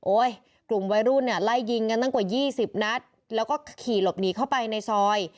กลุ่มวัยรุ่นเนี่ยไล่ยิงกันตั้งกว่า๒๐นัดแล้วก็ขี่หลบหนีเข้าไปในซอย